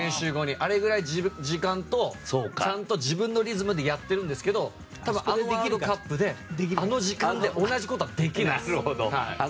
あれぐらいの時間とちゃんと自分のリズムでやってるんですけど多分、あのワールドカップであの時間で同じことはできないです。